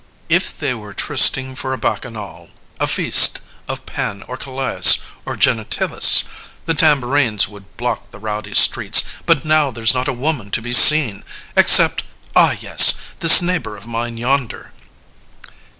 _ LYSISTRATA If they were trysting for a Bacchanal, A feast of Pan or Colias or Genetyllis, The tambourines would block the rowdy streets, But now there's not a woman to be seen Except ah, yes this neighbour of mine yonder.